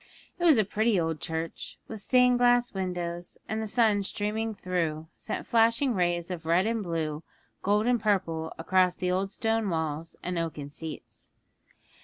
It was a pretty old church, with stained glass windows; and the sun streaming through sent flashing rays of red and blue, golden and purple, across the old stone walls and oaken seats.